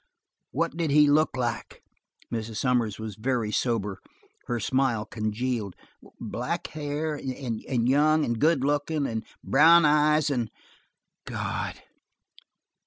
"What did he look like?" Mrs. Sommers was very sober. Her smile congealed. "Black hair, and young, and good lookin', and b b brown eyes, and " "God!"